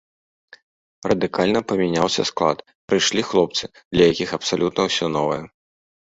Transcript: Радыкальна памяняўся склад, прыйшлі хлопцы, для якіх абсалютна ўсё новае.